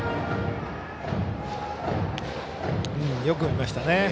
よく見ましたね。